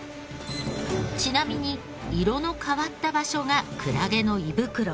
ちなみに色の変わった場所がクラゲの胃袋。